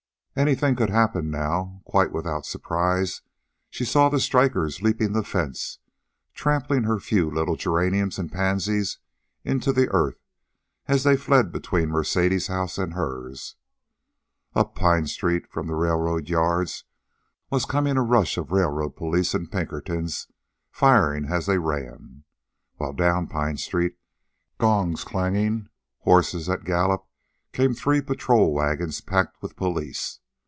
Anything could happen now. Quite without surprise, she saw the strikers leaping the fence, trampling her few little geraniums and pansies into the earth as they fled between Mercedes' house and hers. Up Pine street, from the railroad yards, was coming a rush of railroad police and Pinkertons, firing as they ran. While down Pine street, gongs clanging, horses at a gallop, came three patrol wagons packed with police.